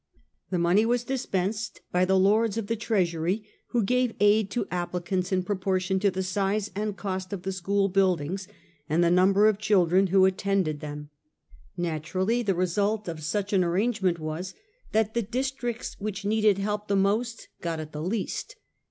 The money was dispensed by the Lords of the Treasury, who gave aid to appli cants in proportion to the size and cost of the school buildings and the number of children who attended 1839. NATIONAL EDUCATION. 185 them. Naturally the result of such an arrangement was, that the districts which needed help the most got it the least.